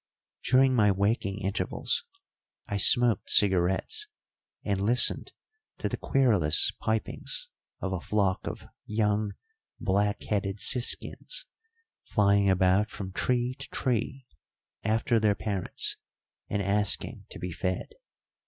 During my waking intervals I smoked cigarettes and listened to the querulous pipings of a flock of young black headed siskins flying about from tree to tree after their parents and asking to be fed.